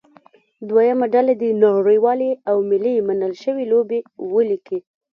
دویمه ډله دې نړیوالې او ملي منل شوې لوبې ولیکي.